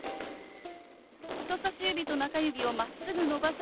人さし指と中指をまっすぐ伸ばし